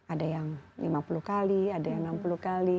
ada yang lima puluh kali ada yang enam puluh kali